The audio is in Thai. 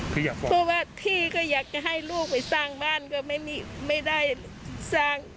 เพราะว่าที่ก็อยากให้ลูกไปสร้างบ้านก็ไม่ได้สร้าง